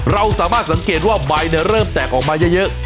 เราสามารถสังเกตว่าใบเริ่มแตกออกมาเยอะ